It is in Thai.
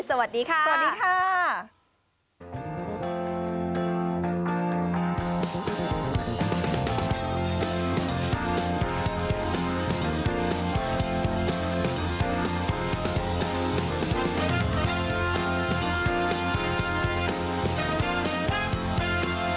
สวัสดีค่ะสวัสดีค่ะ